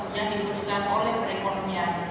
yang dibutuhkan oleh perekonomian